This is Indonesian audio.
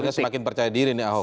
anda semakin percaya diri nih ahok